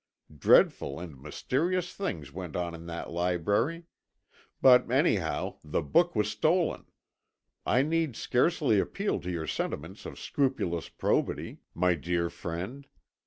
Dreadful and mysterious things went on in that library. But, anyhow, the book was stolen. I need scarcely appeal to your sentiments of scrupulous probity, my dear friend.